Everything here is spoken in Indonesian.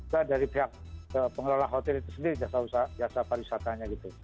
ya dari pihak pengelola hotel itu sendiri jasa pariwisatanya gitu